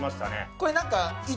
これ何か。